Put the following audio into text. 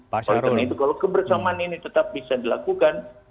kalau kebersamaan ini tetap bisa dilakukan